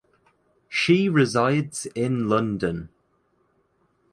She resides in London.